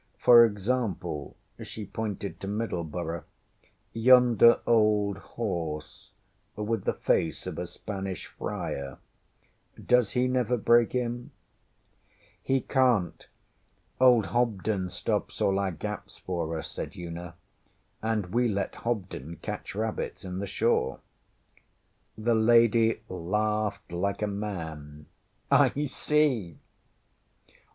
For Is exampleŌĆÖ she pointed to Middenboro ŌĆśyonder old horse, with the face of a Spanish friar does he never break in? ŌĆÖ ŌĆśHe canŌĆÖt. Old Hobden stops all our gaps for us, ŌĆÖ said Una, ŌĆśand we let Hobden catch rabbits in the Shaw.ŌĆÖ The lady laughed like a man. ŌĆśI see!